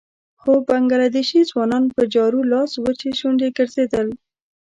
څو بنګله دېشي ځوانان په جارو لاس وچې شونډې ګرځېدل.